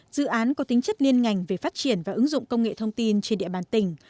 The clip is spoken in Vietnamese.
dự án có tính chất liên ngành về phát triển và ứng dụng công nghệ thông tin trên địa bàn tỉnh